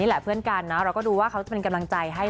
แหละเพื่อนกันนะเราก็ดูว่าเขาจะเป็นกำลังใจให้